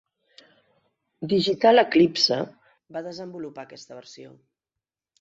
Digital Eclipse va desenvolupar aquesta versió.